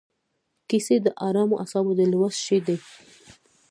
کیسې د ارامو اعصابو د لوست شی دی.